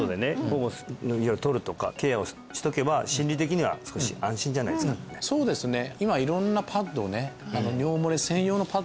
保護取るとかケアをしとけば心理的には少し安心じゃないですかそうですね